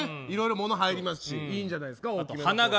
いろいろ物が入りますしいいんじゃないですか。